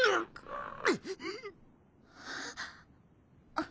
あっ。